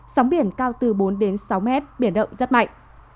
sóng biển cao từ bốn đến sáu mét biển động rất mạnh